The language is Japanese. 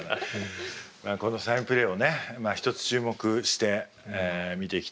このサインプレーをねひとつ注目して見ていきたいと思いますが。